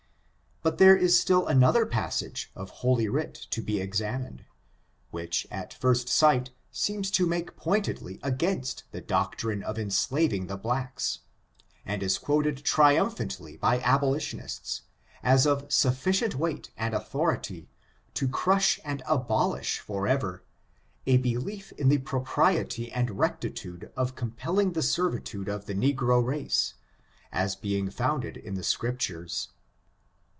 But thera is still another passage of Holy Writ to be examined, which, at first sight, seems to make pointedly against the doctrine of enslaving the blacks, and is quoted triumphantly by abolitionists, as of sufficient weight and authority to crush and abolish forever, a belief in the propriety and rectitude of compelling the servi tude of the negro race, as being founded in the Scrip tures.